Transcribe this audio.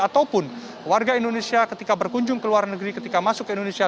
ataupun warga indonesia ketika berkunjung ke luar negeri ketika masuk ke indonesia